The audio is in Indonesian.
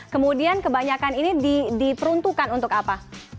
kemudian kebanyakan ini diperuntukkan untuk apa